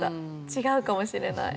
違うかもしれない。